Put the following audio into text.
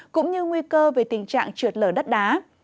cũng như nguy cơ về tình trạng trượt lở đất đá